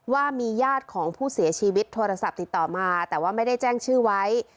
ว่ามีญาติของผู้เสียชีวิตโทรศัพท์ติดต่อมาแต่ว่าไม่ได้แจ้งชื่อไว้